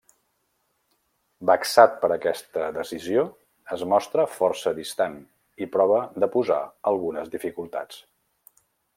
Vexat per aquesta decisió, es mostra força distant i prova de posar algunes dificultats.